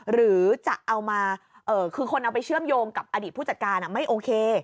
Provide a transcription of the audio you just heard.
หรือจะเอามาคือคนเอาไปเชื่อมโยงกับอดีตผู้จัดการไม่โอเค